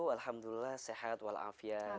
alhamdulillah sehat walafiat